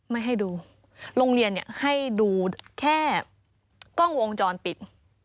ไม่ให้ดูโรงเรียนเนี่ยให้ดูแค่กล้องวงจรปิด